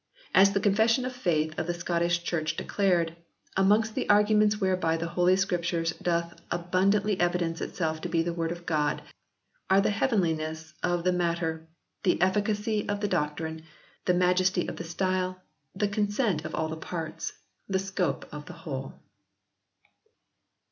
As the Confession of Faith of the Scottish Church declared :" Amongst the arguments whereby the Holy Scripture doth abundantly evidence itself to be the Word of God are the heavenliness of the matter, the efficacy of the doctrine, the majesty of the style, the consent of all the parts, the scope of the whole."